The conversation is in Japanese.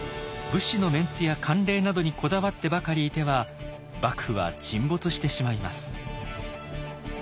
武士のメンツや慣例などにこだわってばかりいては幕府は沈没してしまいます。